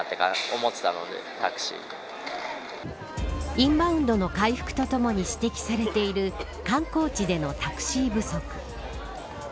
インバウンドの回復と共に指摘されている観光地のタクシー不足。